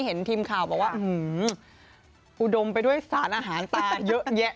เห็นทีมข่าวบอกว่าอุดมไปด้วยสารอาหารตาเยอะแยะ